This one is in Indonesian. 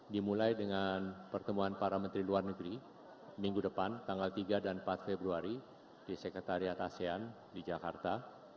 dimulai dengan pertemuan para menteri luar negeri minggu depan tanggal tiga dan empat februari di sekretariat asean di jakarta